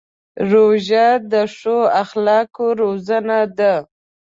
روژه د ښو اخلاقو روزنه ده.